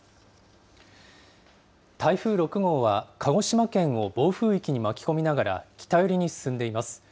台風６号は、鹿児島県を暴風域に巻き込みながら北寄りに進んでいます。